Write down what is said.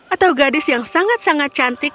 atau gadis yang sangat sangat cantik